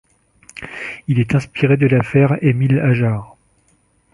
Il est inspiré de l'affaire Émile Ajar.